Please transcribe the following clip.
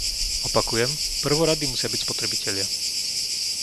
Opakujem, prvoradí musia byť spotrebitelia.